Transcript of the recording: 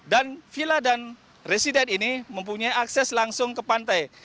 villa dan resident ini mempunyai akses langsung ke pantai